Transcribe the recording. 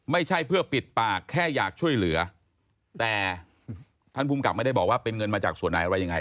ไม่ใช่เพื่อปิดปากแค่อยากช่วยเหลือแต่ท่านภูมิกับไม่ได้บอกว่าเป็นเงินมาจากส่วนไหนอะไรยังไง